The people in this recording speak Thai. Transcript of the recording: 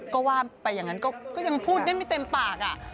ก็ว่าไปอย่างนั้นก็ยังพูดได้ไม่เต็มปาก